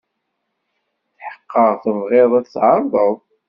Tḥeqqeɣ tebɣiḍ ad t-tɛerḍeḍ.